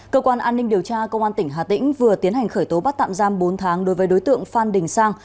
cơ quan an ninh điều tra công an tỉnh hà tĩnh vừa tiến hành khởi tố bắt tạm giam bốn tháng đối với đối tượng phan đình sang